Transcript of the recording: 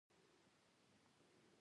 آیا لمریزه بریښنا د حل لاره ده؟